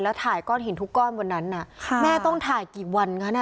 แล้วถ่ายก้อนหินทุกก้อนวันนั้นน่ะค่ะแม่ต้องถ่ายกี่วันคะเนี่ย